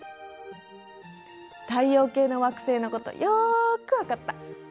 太陽系の惑星のことよくわかった。